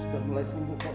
sudah mulai sembuh pak